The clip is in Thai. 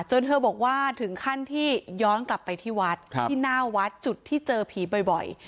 เธอบอกว่าถึงขั้นที่ย้อนกลับไปที่วัดที่หน้าวัดจุดที่เจอผีบ่อย